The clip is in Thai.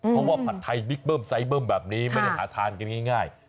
เพราะว่าผัดไทยบิ๊กเบิ้มไซเบิ้มแบบนี้ไม่ได้หาทานกันง่าย